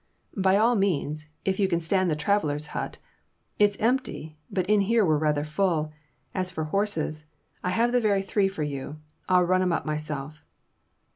"By all means, if you can stand the travellers' hut. It's empty, but in here we're rather full. As for horses, I've the very three for you. I'll run 'em up myself."